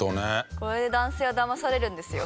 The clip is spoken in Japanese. これで男性はだまされるんですよ。